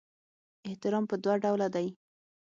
احترام په دوه ډوله دی.